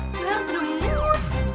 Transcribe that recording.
selalu tidur ngikut